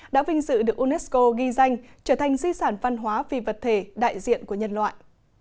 đã vinh dự được unesco ghi danh trở thành di sản văn hóa phi vật thể đại diện của nhân loại